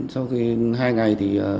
sau hai ngày